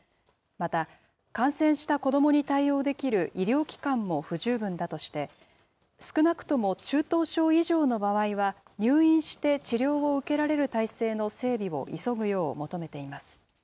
また、感染した子どもに対応できる医療機関も不十分だとして、少なくとも中等症以上の場合は、入院して治療を受けられる体制の整備を急ぐよう求めています。